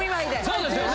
そうですよね。